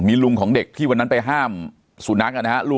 มีลุงของเด็กที่วันนั้นไปห้ามสุนัขนะครับ